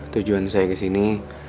tujuan saya kesini